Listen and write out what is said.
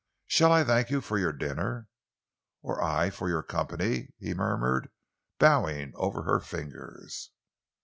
Shall I thank you for your dinner?" "Or I you for your company?" he murmured, bowing over her fingers.